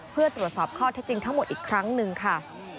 เพื่อตรวจสอบข้อเท็จจริงทั้งหมดอีกครั้งหนึ่งค่ะ